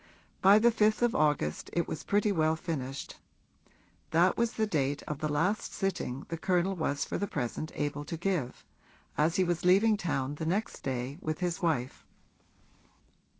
By the fifth of August it was pretty well finished: that was the date of the last sitting the Colonel was for the present able to give, as he was leaving town the next day with his wife.